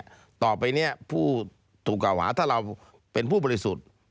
ต่อไปเนี่ยผู้ถูกกล่าวหาถ้าเราเป็นผู้บริสุทธิ์